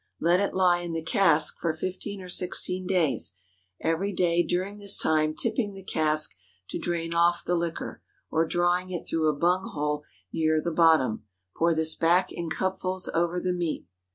Let it lie in the cask for fifteen or sixteen days, every day during this time tipping the cask to drain off the liquor, or drawing it through a bung hole near the bottom. Pour this back in cupfuls over the meat.